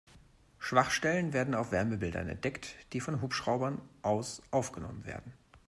Schwachstellen werden auf Wärmebildern entdeckt, die von Hubschraubern aus aufgenommen werden.